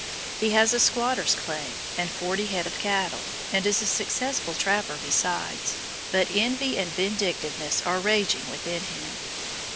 He has a squatter's claim and forty head of cattle, and is a successful trapper besides, but envy and vindictiveness are raging within him.